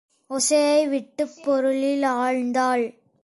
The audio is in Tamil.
ஒசையை விட்டுப் பொருளில் ஆழ்ந்தாள்.